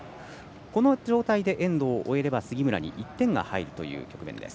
この状態でエンドを終えれば杉村に１点が入るという局面です。